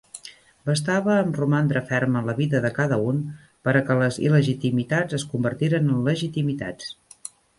Bastava amb romandre ferm en la vida de cada un per a que les il·legitimitats es convertiren en legitimitats.